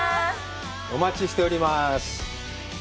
お待ちしております。